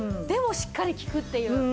でもしっかり効くっていう。